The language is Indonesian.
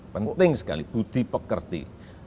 penting sekali budi pekerti